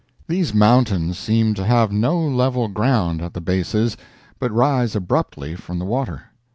These mountains seem to have no level ground at the bases but rise abruptly from the water.